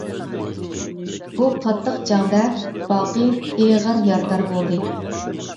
بۇ قاتتىق جەڭدە باقى ئېغىر يارىدار بولدى.